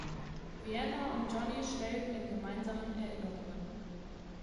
Vienna und Johnny schwelgen in gemeinsamen Erinnerungen.